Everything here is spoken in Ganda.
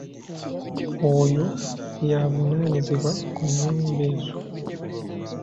Oyo y'avunaanyizibwa ku nnyumba ezo.